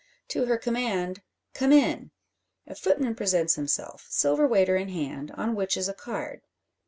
To her command "Come in!" a footman presents himself, silver waiter in hand, on which is a card.